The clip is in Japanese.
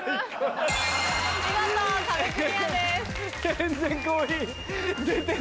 見事壁クリアです。